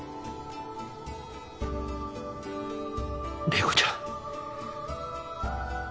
麗子ちゃん。